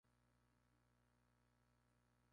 Más adelante fue construida la iglesia parroquial de Ntra.